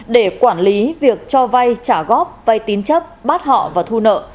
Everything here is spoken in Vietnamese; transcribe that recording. để quản lý việc cho vai trả góp vai tín chấp bắt họ và thu nợ